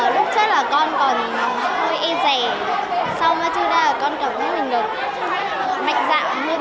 lúc trước là con còn hơi dẹp sau martinda là con cảm giác building được mạnh dạng hơn rất nhiều